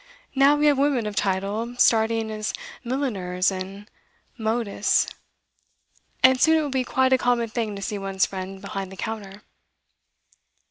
Now we have women of title starting as milliners and modistes, and soon it will be quite a common thing to see one's friends behind the counter.